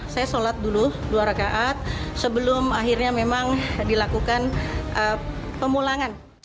saya sholat dulu dua rakaat sebelum akhirnya memang dilakukan pemulangan